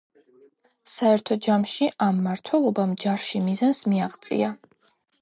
საერთო ჯამში, ამ მმართველობამ ჯარში მიზანს მიაღწია.